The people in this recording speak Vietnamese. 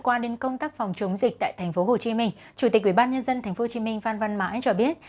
qua đến công tác phòng chống dịch tại tp hcm chủ tịch ủy ban nhân dân tp hcm phan văn mãi cho biết